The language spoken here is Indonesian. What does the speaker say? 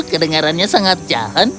kedengarannya sangat jahat